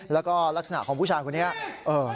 แล้วก็ลักษณะของผู้ชายคนนี้